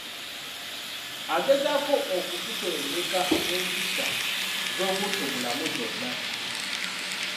Agezaako okukutendeka mu mpisa ez'obuntubulamu zonna.